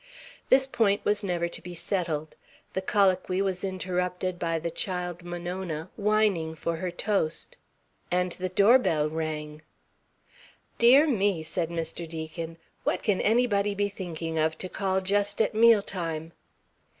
This point was never to be settled. The colloquy was interrupted by the child Monona, whining for her toast. And the doorbell rang. "Dear me!" said Mr. Deacon. "What can anybody be thinking of to call just at meal time?"